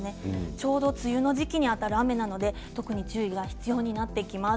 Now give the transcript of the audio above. ちょうど梅雨の時期に当たる雨なので特に注意が必要になってきます。